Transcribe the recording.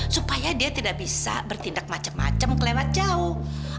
supaya dia tidak bisa bertindak macem macem kelewat jauh